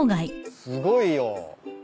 すごいよ。